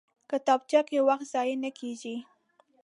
کتابچه کې وخت ضایع نه کېږي